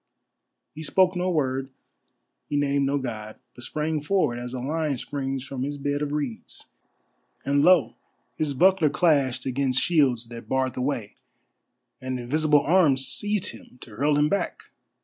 He spoke no word, he named no God, but sprang forward as a lion springs from his bed of reeds; and, lo! his buckler clashed against shields that barred the way, and invisible arms seized him to hurl him back.